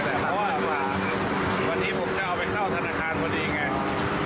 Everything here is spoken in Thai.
เพราะว่าวันนี้ผมจะเอาไปเข้าธนาคารกับการรถอีก